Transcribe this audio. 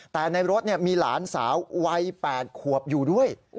แต่ในรถมีหลานสาววัย๘ขวบอยู่ด้วย